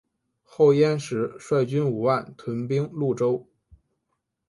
后燕时率军五万屯兵潞川。